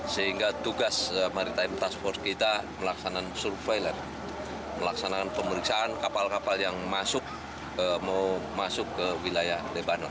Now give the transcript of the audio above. sehingga tugas maritim task force kita melaksanakan surveillance melaksanakan pemeriksaan kapal kapal yang masuk ke wilayah libanon